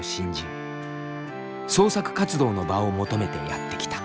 創作活動の場を求めてやって来た。